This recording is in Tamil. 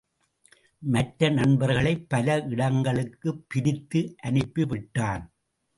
மற்ற நண்பர்களை பல இடங்களுக்குப் பிரித்து அனுப்பிவிட்டான்.